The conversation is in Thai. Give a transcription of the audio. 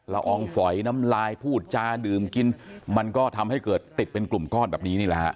อองฝอยน้ำลายพูดจาดื่มกินมันก็ทำให้เกิดติดเป็นกลุ่มก้อนแบบนี้นี่แหละฮะ